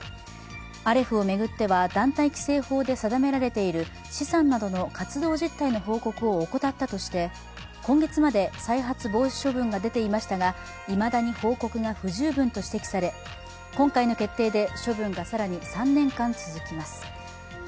アレフを巡っては、団体規制法で定められている資産などの活動実態の報告を怠ったとして今月まで再発防止処分が出ていましたがいまだに報告が不十分と指摘され、今回の決定で処分が更に３年間続きます。